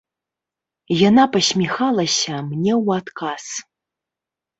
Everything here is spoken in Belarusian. Яна пасміхалася мне ў адказ.